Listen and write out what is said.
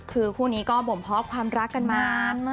คือคู่นี้ก็บ่มเพาะความรักกันมา